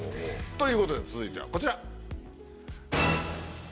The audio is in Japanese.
ということで続いてはこちら。